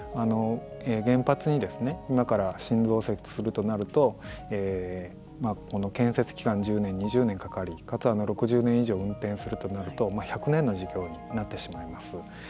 原発に今から新増設するとなると建設期間は１０年、２０年かかり６０年以上運転するとなると１００年の事業になってしまいます。